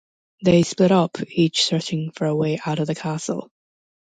They split up, each searching for a way out of the castle.